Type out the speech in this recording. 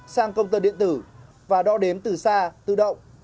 sang công tơ điện tử và đo đếm từ xa tự động